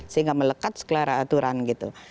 sehingga melekat sekelera aturan gitu